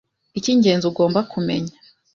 icy’ingenzi ugomba kumenya